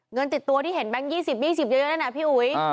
เงินติดตัวที่เห็นแบงค์๒๐๒๐เยอะนั่นน่ะพี่อุ๋ย